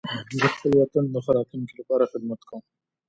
زه خپل وطن د ښه راتلونکي لپاره خدمت کوم.